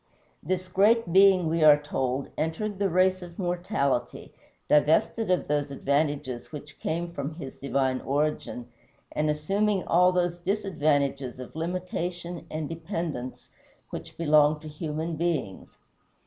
This great Being, we are told, entered the race of mortality, divested of those advantages which came from his divine origin, and assuming all those disadvantages of limitation and dependence which belong to human beings.